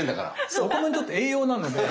そうお米にとって栄養なので。